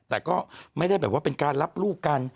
แต่ก็ไม่ได้แบบว่าเป็นการรับลูกกัน